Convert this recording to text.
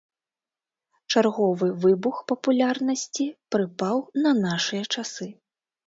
Чарговы выбух папулярнасці прыпаў на нашыя часы.